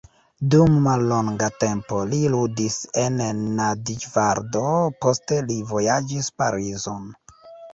Dum mallonga tempo li ludis en Nadjvarado, poste li vojaĝis Parizon.